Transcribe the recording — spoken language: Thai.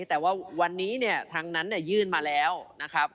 แต่ว่าวันนี้เนี่ยทางนั้นยื่นมาแล้วนะครับ